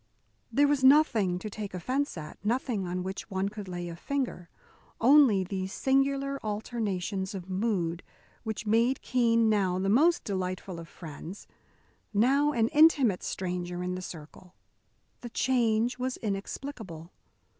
There was nothing to take offence at, nothing on which one could lay a finger; only these singular alternations of mood which made Keene now the most delightful of friends, now an intimate stranger in the circle. The change was inexplicable.